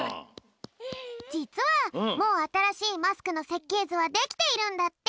じつはもうあたらしいマスクのせっけいずはできているんだって！